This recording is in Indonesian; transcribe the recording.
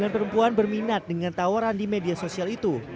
sembilan perempuan berminat dengan tawaran di media sosial itu